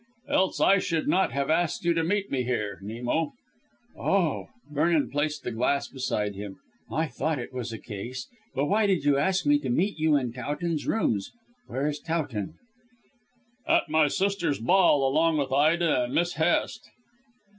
"Else I should not have asked you to meet me here Nemo." "Oh!" Vernon placed the glass beside him. "I thought it was a Case. But why did you ask me to meet you in Towton's rooms, and where is Towton?" "At my sister's ball along with Ida and Miss Hest."